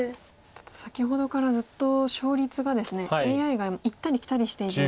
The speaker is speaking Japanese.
ちょっと先ほどからずっと勝率がですねＡＩがいったりきたりしている。